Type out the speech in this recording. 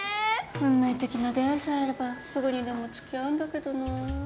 運命的な出会いさえあればすぐにでも付き合うんだけどな。